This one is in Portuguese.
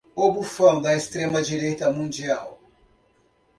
O bufão da extrema direita mundial